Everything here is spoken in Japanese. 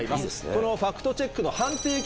このファクトチェックの判定基準